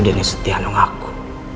dengan setianya saya